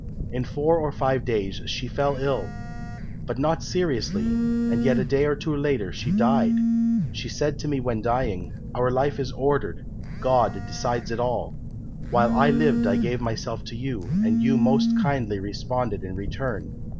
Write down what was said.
"In four or five days she fell ill, but not seriously, and yet a day or two later she died. She said to me when dying, 'Our life is ordered, God decides it all. While I lived I gave myself to you, and you most kindly responded in return.